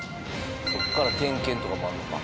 そこから点検とかもあるのか。